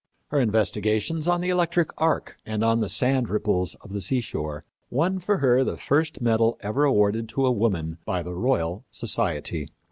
Her investigations on the electric arc and on the sand ripples of the seashore won for her the first medal ever awarded to a woman by the Royal Society.